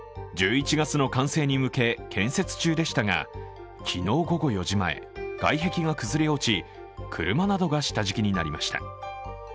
１１月の完成に向け、建設中でしたが昨日午後４時前外壁が崩れ落ち、車などが下敷きとなりました。